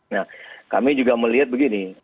nah kami juga melihat begini